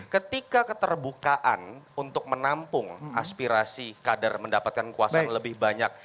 ketika keterbukaan untuk menampung aspirasi kader mendapatkan kekuasaan lebih banyak